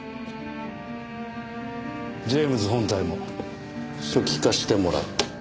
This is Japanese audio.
ジェームズ本体も初期化してもらう。